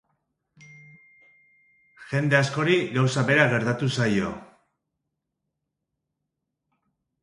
Jende askori gauza bera gertatu zaio.